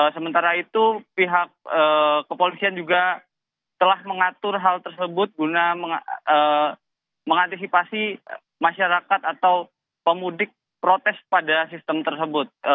sementara itu pihak kepolisian juga telah mengatur hal tersebut guna mengantisipasi masyarakat atau pemudik protes pada sistem tersebut